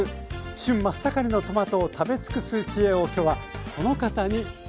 旬真っ盛りのトマトを食べ尽くす知恵をきょうはこの方に教わります。